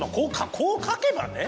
こう書けばね。